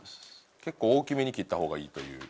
結構大きめに切った方がいいという。